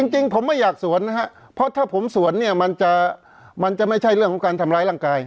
จริงผมไม่อยากสวนนะฮะเพราะถ้าผมสวนเนี่ยมันจะไม่ใช่เรื่องของการทำร้ายร่างกาย